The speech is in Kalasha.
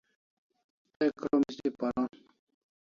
Te krom histi paron